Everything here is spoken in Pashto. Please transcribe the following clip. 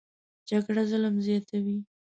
جګړه ظلم زیاتوي